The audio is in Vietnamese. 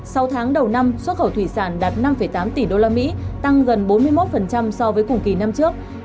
sau tháng đầu năm xuất khẩu thủy sản đạt năm tám tỷ usd tăng gần bốn mươi một so với cùng kỳ năm trước